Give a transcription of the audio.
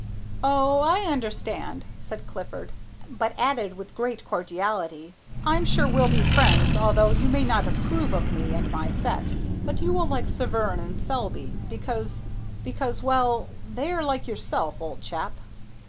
"Oh, I understand," said Clifford, but added with great cordiality, "I'm sure we'll be friends although you may not approve of me and my set, but you will like Severn and Selby because because, well, they are like yourself, old chap."